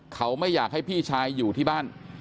เขาไม่อยากให้พี่ชายอยู่ที่บ้าน